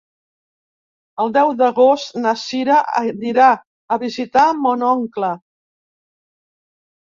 El deu d'agost na Cira anirà a visitar mon oncle.